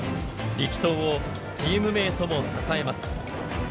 力投をチームメートも支えます。